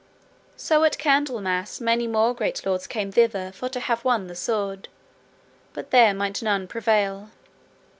So at Candlemas many more great lords came thither for to have won the sword, but there might none prevail.